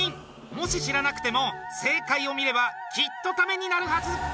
もし知らなくても、正解を見ればきっとタメになるはず！